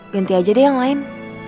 ganti aja deh yang lain